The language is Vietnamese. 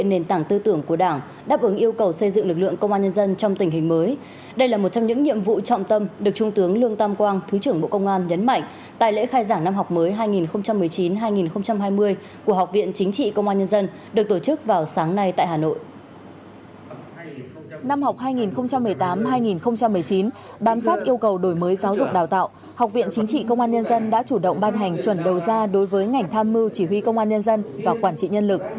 năm học hai nghìn một mươi tám hai nghìn một mươi chín bám sát yêu cầu đổi mới giáo dục đào tạo học viện chính trị công an nhân dân đã chủ động ban hành chuẩn đầu ra đối với ngành tham mưu chỉ huy công an nhân dân và quản trị nhân lực